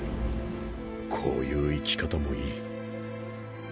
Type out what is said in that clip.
こういう生き方もいい。